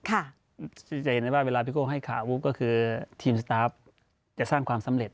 ซึ่งจะเห็นได้ว่าเวลาพี่โก้ให้ขาปุ๊บก็คือทีมสตาฟจะสร้างความสำเร็จ